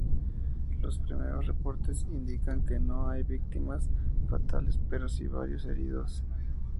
Los primeros reportes indican que no hay víctimas fatales, pero sí varios heridos.